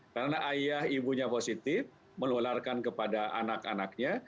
karena ayah ibunya positif melualkan kepada anak anaknya